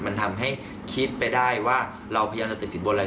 มันทำให้คิดไปได้ว่าเราพยายามจะติดสินบนอะไร